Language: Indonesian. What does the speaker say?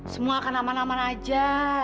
semua akan aman aman aja